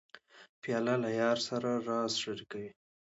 پیاله له یار سره راز شریکوي.